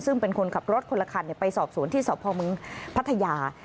ซึ่งเป็นคนขับรถคนละคันไปสอบสวนที่สพมพัทยา